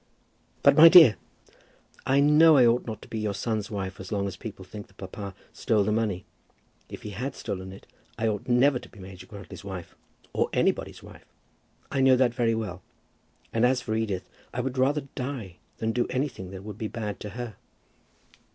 "But, my dear " "I know I ought not to be your son's wife as long as people think that papa stole the money. If he had stolen it, I ought never to be Major Grantly's wife, or anybody's wife. I know that very well. And as for Edith, I would sooner die than do anything that would be bad to her."